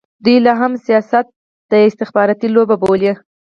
دوی لا هم سیاست د استخباراتي لوبه بولي.